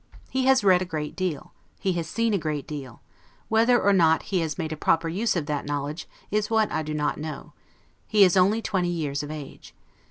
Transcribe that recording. He has read a great deal, he has seen a great deal; whether or not he has made a proper use of that knowledge, is what I do not know: he is only twenty years of age.